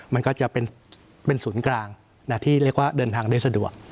มันก็จะเป็นศูนย์กลางที่เรียกว่าเดินทางได้สะดวก